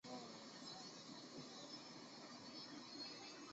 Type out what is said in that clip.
全印学生协会解放的学生组织。